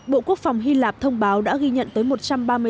bộ quốc phòng hy lạp thông báo đã tham gia đảo chính hồi tháng bảy năm ngoái